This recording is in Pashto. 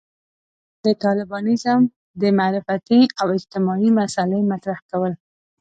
د طالبانيزم د معرفتي او اجتماعي مسألې مطرح کول.